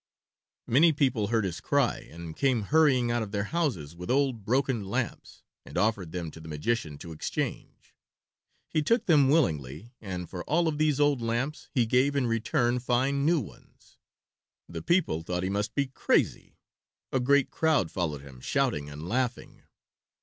Many people heard his cry and came hurrying out of their houses with old broken lamps, and offered them to the magician to exchange. He took them willingly, and for all of these old lamps he gave in return fine new ones. The people thought he must be crazy. A great crowd followed him, shouting and laughing.